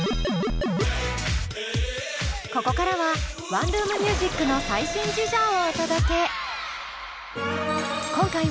ここからはワンルーム☆ミュージックの最新事情をお届け。